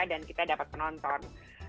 dan kita dapat penonton